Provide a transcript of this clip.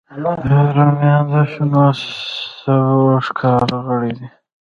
رومیان د شنو سبو سرښکاره غړی دی